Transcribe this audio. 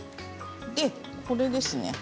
これですね。